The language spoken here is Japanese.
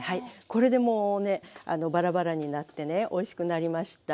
これでもうねバラバラになってねおいしくなりました。